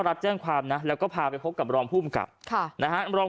รับแจ้งความนะแล้วก็พาไปพบกับรองภูมิกับค่ะนะฮะรอง